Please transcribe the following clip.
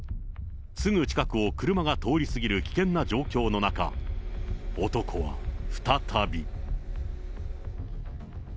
すぐ近くを車が通り過ぎる危険な状況の中、男は再び。